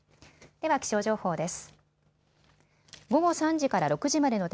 では気象情報です。